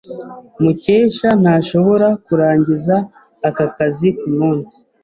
Mukesha ntashobora kurangiza aka kazi kumunsi.